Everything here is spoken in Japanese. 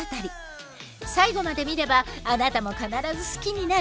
最後まで見ればあなたも必ず好きになる！